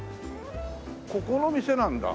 ここの店なんだ。